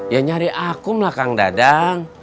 ya nyari akum lah kang dadang